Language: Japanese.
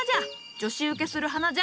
女子うけする花じゃ。